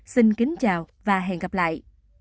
xin kính chào và hẹn gặp lại